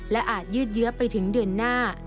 และอาจยืดเยื้อไปถึงเดือนหน้า